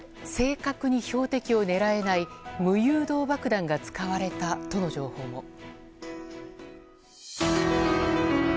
正確に標的を狙えない無誘導爆弾が使われたとの情報も。